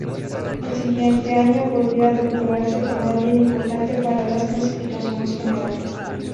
El siguiente año, volvió a doctorarse como alguien importante para las clasificaciones generales.